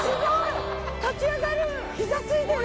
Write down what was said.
膝ついてる！